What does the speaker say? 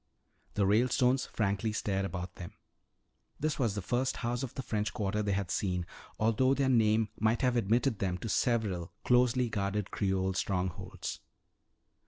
The Ralestones frankly stared about them. This was the first house of the French Quarter they had seen, although their name might have admitted them to several closely guarded Creole strongholds.